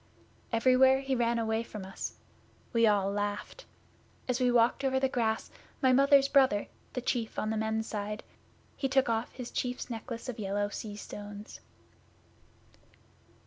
Everywhere he ran away from us. We all laughed. As we walked over the grass my Mother's brother the Chief on the Men's Side he took off his Chief's necklace of yellow sea stones.